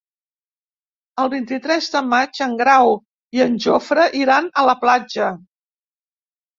El vint-i-tres de maig en Grau i en Jofre iran a la platja.